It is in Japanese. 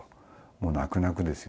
もう泣く泣くですよ。